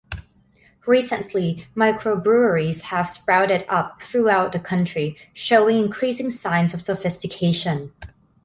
Recently, microbreweries have sprouted up throughout the country, showing increasing signs of sophistication.